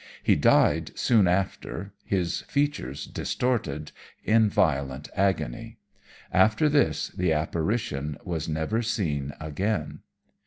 He died soon after his features distorted in violent agony. After this the apparition was never seen again.